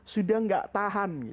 sudah gak tahan